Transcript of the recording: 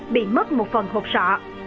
bị mất một phần hột sọ